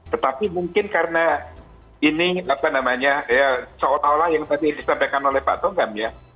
tetapi mungkin karena ini apa namanya seolah olah yang tadi disampaikan oleh pak togam ya